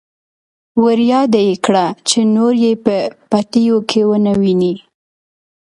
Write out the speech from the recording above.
ورياده يې کړه چې نور يې په پټيو کې ونه ويني.